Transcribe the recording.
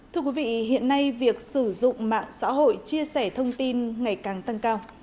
thưa quý vị hiện nay việc sử dụng mạng xã hội chia sẻ thông tin ngày càng tăng cao